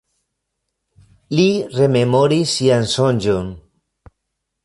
Li rememoris sian sonĝon.